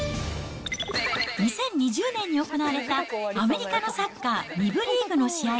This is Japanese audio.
２０２０年に行われたアメリカのサッカー２部リーグの試合。